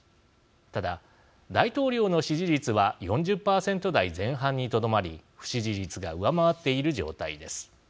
ただ、大統領の支持率は４０％台前半にとどまり不支持率が上回っている状態です。